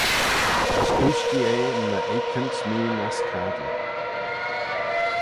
As dooishtee eh my oikan's meen ass cadley.